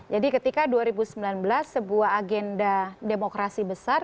jadi ketika dua ribu sembilan belas sebuah agenda demokrasi besar